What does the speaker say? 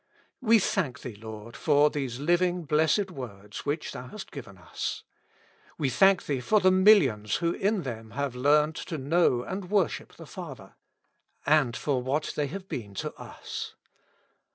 We thank Thee, Lord, for these Living Blessed Words which Thou hast given us. We thank Thee for the millions who in them have learned to know and wor ship the Father, and for what they have been to us.